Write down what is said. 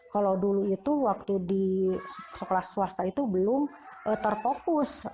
kalau dulu itu waktu di sekolah swasta itu belum terfokus